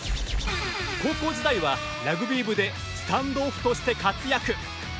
高校時代はラグビー部でスタンドオフとして活躍。